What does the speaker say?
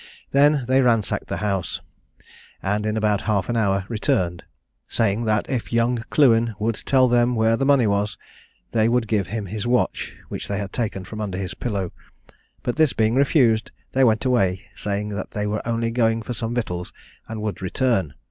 They then ransacked the house, and in about half an hour returned, saying that if young Clewen would tell them where the money was, they would give him his watch, which they had taken from under his pillow, but this being refused, they went away, saying that they were only going for some victuals, and would return.